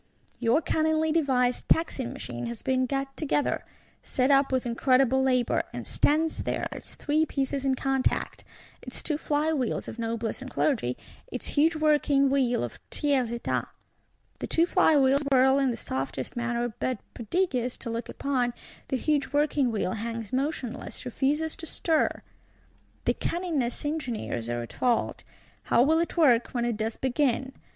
Your cunningly devised Taxing Machine has been got together; set up with incredible labour; and stands there, its three pieces in contact; its two fly wheels of Noblesse and Clergy, its huge working wheel of Tiers Etat. The two fly wheels whirl in the softest manner; but, prodigious to look upon, the huge working wheel hangs motionless, refuses to stir! The cunningest engineers are at fault. How will it work, when it does begin?